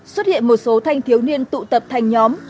xuất hiện một số thanh thiếu niên tụ tập thành nhóm